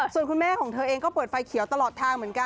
ส่วนคุณแม่ของเธอเองก็เปิดไฟเขียวตลอดทางเหมือนกัน